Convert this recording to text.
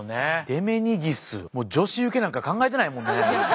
デメニギスもう女子ウケなんか考えてないもんね。